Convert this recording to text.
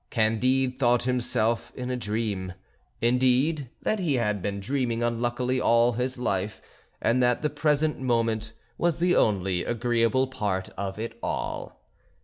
Candide thought himself in a dream; indeed, that he had been dreaming unluckily all his life, and that the present moment was the only agreeable part of it all.